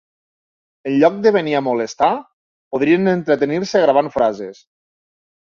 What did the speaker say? Enlloc de venir a molestar, podrien entretenir-se gravant frases.